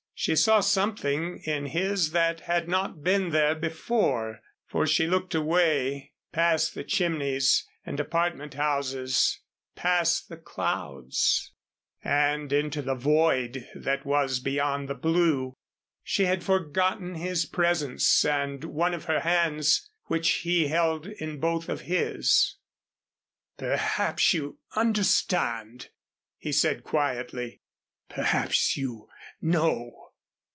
She saw something in his that had not been there before, for she looked away, past the chimneys and apartment houses, past the clouds, and into the void that was beyond the blue. She had forgotten his presence, and one of her hands which he held in both of his. "Perhaps you understand," he said quietly. "Perhaps you know."